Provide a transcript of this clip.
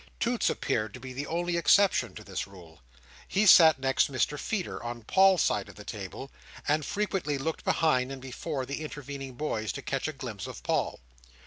Toots appeared to be the only exception to this rule. He sat next Mr Feeder on Paul's side of the table, and frequently looked behind and before the intervening boys to catch a glimpse of Paul.